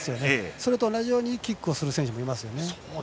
それと同じようにキックをする選手もいますよね。